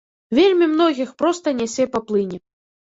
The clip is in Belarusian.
Вельмі многіх проста нясе па плыні.